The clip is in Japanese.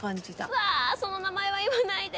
うわその名前は言わないで。